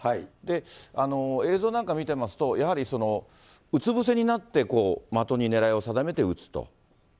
映像なんか見てますと、やはりうつ伏せになって、的に狙いを定めて撃つと。